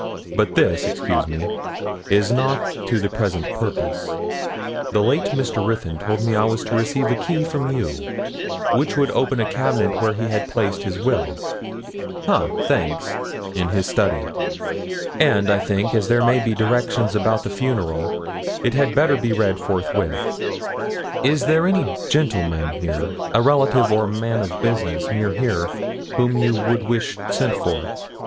But this, excuse me, is not to the present purpose. The late Mr. Ruthyn told me I was to receive a key from you, which would open a cabinet where he had placed his will ha! thanks, in his study. And, I think, as there may be directions about the funeral, it had better be read forthwith. Is there any gentleman a relative or man of business near here, whom you would wish sent for?'